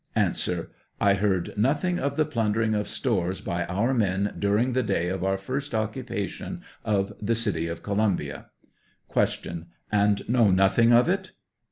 A. I heard nothing of the plundering of stores by our men during the day of our first occupation of the city of Columbia. Q. And know nothing of it